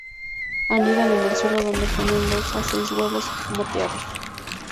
Anidan en el suelo, donde ponen de dos a seis huevos moteados.